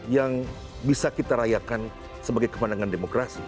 yang bisa kita rayakan sebagai kemenangan demokrasi